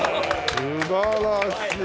素晴らしい！